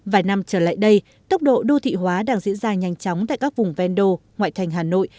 vài năm trở lại đây tốc độ đô thị hóa đang diễn ra nhanh chóng tại các vùng ven đô ngoại thành hà nội